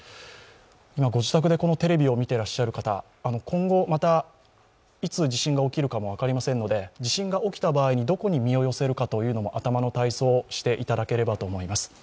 今、ご自宅でこのテレビを見ていらっしゃる方、今後またいつ地震が起きるかも分かりませんので、地震が起きた場合にどこに身を寄せるかも頭の体操、していただければと思います。